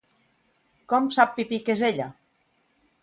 Com sap Pipí que és ella?